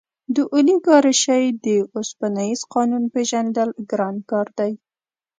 د اولیګارشۍ د اوسپنیز قانون پېژندل ګران کار دی.